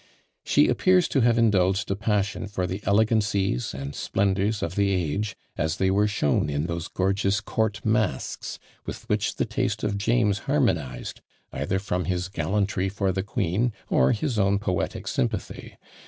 She appears to have indulged a passion for the elegancies and splendours of the age, as they were shown in those gorgeous court masques with which the taste of James harmonized, either from his gallantry for the queen, or his own poetic sympathy.